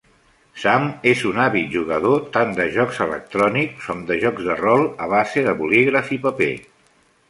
Sam és un àvid jugador tant de jocs electrònics com de jocs de rol a base de bolígraf i paper.